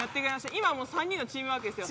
今はもう３人のチームワークですよ。